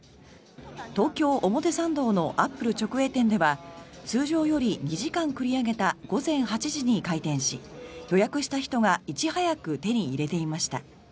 東京・表参道のアップル直営店では通常より２時間繰り上げた午前８時に開店し予約した人がいち早く手に入れていました。